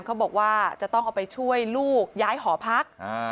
เขาบอกว่าจะต้องเอาไปช่วยลูกย้ายหอพัก